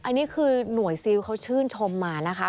อันนี้คือหน่วยซิลเขาชื่นชมมานะคะ